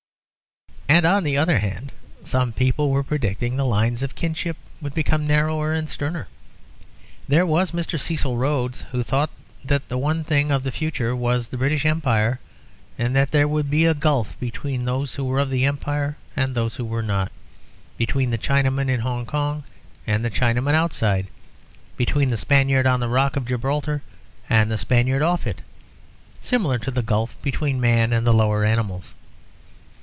] And on the other hand, some people were predicting that the lines of kinship would become narrower and sterner. There was Mr. Cecil Rhodes, who thought that the one thing of the future was the British Empire, and that there would be a gulf between those who were of the Empire and those who were not, between the Chinaman in Hong Kong and the Chinaman outside, between the Spaniard on the Rock of Gibraltar and the Spaniard off it, similar to the gulf between man and the lower animals.